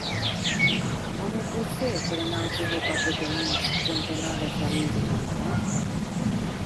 Com ho puc fer per anar al carrer Quatre Camins cantonada Fra Luis de Granada?